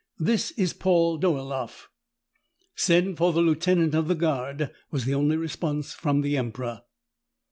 This is Paul Dolaeff." "Send for the lieutenant of the guard," was the only response of the emperor.